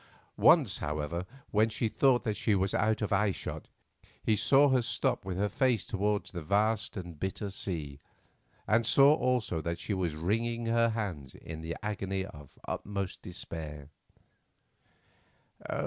Once, however, when she thought that she was out of eyeshot, he saw her stop with her face towards the vast and bitter sea, and saw also that she was wringing her hands in an agony of the uttermost despair.